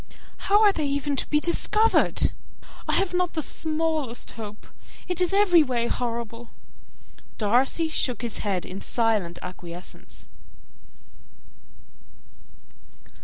How are they even to be discovered? I have not the smallest hope. It is every way horrible!" Darcy shook his head in silent acquiescence.